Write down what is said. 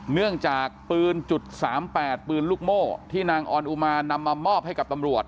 เนื่องจากปืนจุด๓๘ปืนลูกโม่ที่นางออนอุมานำมามอบให้กับตำรวจ